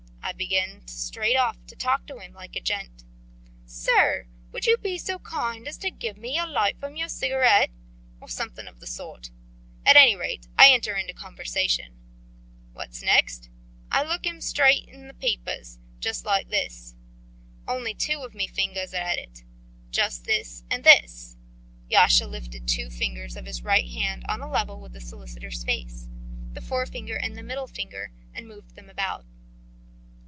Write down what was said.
I begin straight off to talk to him like a gent: 'Sir, would you be so kind as to give me a light from your cigarette' or something of the sort. At any rate, I enter into conversation. What's next? I look him straight in the peepers, just like this. Only two of me fingers are at it just this and this." Yasha lifted two fingers of his right hand on a level with the solicitor's face, the forefinger and the middle finger and moved them about.